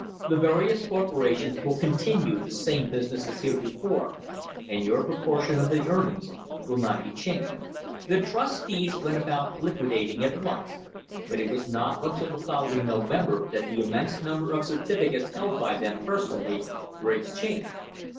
The various corporations will con tinue to do the same business as heretofore, and your propor tion of the earnings will not be changed." The trustees went about liquidating at once, but it was not until the following November that the immense number of certificates held by them personally were exchanged.